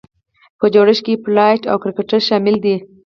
په جوړښت کې یې پلاټ او کرکټر شامل دي.